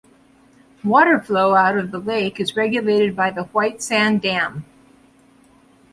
Water flow out of the lake is regulated by the Whitesand Dam.